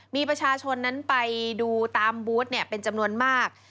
มีประชาชนนั้นไปดูตามบูธเป็นจำนวนมาก